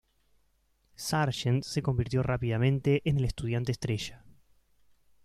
Sargent se convirtió rápidamente en el estudiante estrella.